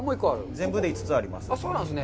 全部で５つあります。